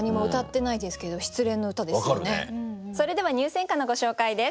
それでは入選歌のご紹介です。